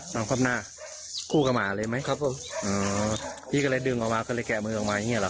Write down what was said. โง่นครอบหน้าคู่กับหมาเลยไหมพี่ก็เลยดึงออกมาแกะมือออกมาอย่างนี้หรอ